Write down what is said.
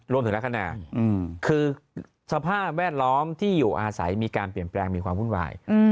ลักษณะคือสภาพแวดล้อมที่อยู่อาศัยมีการเปลี่ยนแปลงมีความวุ่นวาย